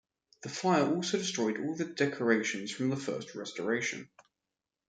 The fire also destroyed all the decorations from the first restoration.